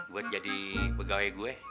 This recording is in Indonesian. buat jadi pegawai gue